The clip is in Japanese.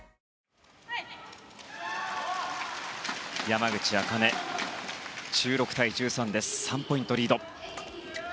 山口茜、１６対１３と３ポイントリード。